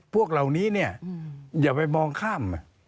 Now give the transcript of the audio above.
พวกเหล่านี้อย่าไปมองข้าม